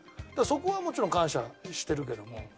そこはもちろん感謝してるけども。